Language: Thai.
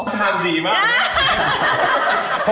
คำถามดีมากนะ